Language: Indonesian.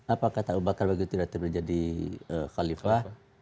apa kata abu bakar bagi pidatonya berjadi khalifah